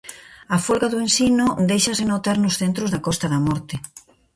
A folga do ensino déixase notar nos centros da Costa da Morte.